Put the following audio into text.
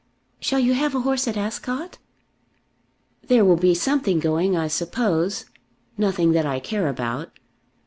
Shall you have a horse at Ascot?" "There will be something going, I suppose. Nothing that I care about."